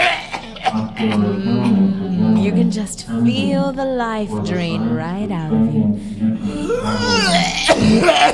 After returning to Germany, "Emden" was assigned to training duties once again.